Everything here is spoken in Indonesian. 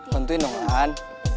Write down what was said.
bantuin dong lan